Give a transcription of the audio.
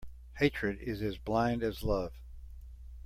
Hatred is as blind as love.